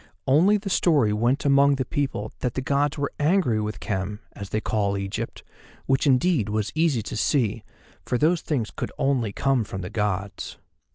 Only the story went among the people that the Gods were angry with Khem (as they call Egypt), which indeed was easy to see, for those things could come only from the Gods.